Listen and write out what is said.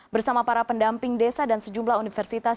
bersama para pendamping desa dan sejumlah universitas